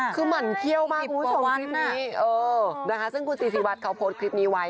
คือหมั่นเขี้ยวมากคุณผู้ชมคลิปนี้เออนะคะซึ่งคุณซีซีวัดเขาโพสต์คลิปนี้ไว้